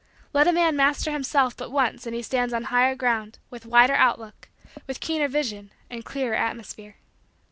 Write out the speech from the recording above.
Let a man master himself but once and he stands on higher ground, with wider outlook, with keener vision, and clearer atmosphere.